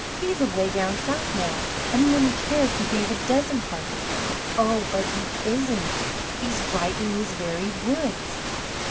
He's away down South now, and wouldn't care if you gave a dozen parties." "Oh, but he isn't; he's right in these very woods!"